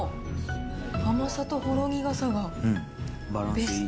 甘さとほろ苦さがベスト。